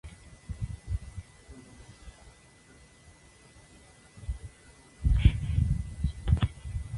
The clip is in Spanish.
Todos estos sucesos hacen que los padres de Mini busquen ayuda profesional.